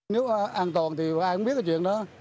nếu an toàn thì ai cũng biết cái chuyện đó